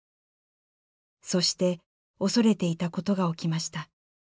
そして恐れていたことが起きました。